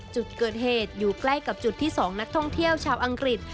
จุดเกิดเหตุอยู่ใกล้กับจุดที่๒นักท่องเที่ยวชาวอังกฤษ